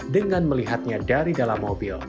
dengan melihatnya dari dalam mobil